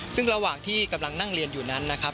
ซึ่งระหว่างที่กำลังนั่งเรียนอยู่นั้นนะครับ